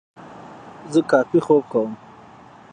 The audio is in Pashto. زه کافي خوب کوم.